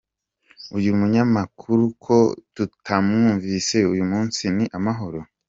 Uyu munyamakuru ko tutamwumvise uyu munsi ni amahoro?